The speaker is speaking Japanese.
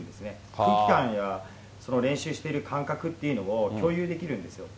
空気感や、練習してる感覚というのを共有できるんですよ。